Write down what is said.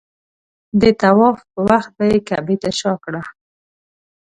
د طواف په وخت به یې کعبې ته شا کړه.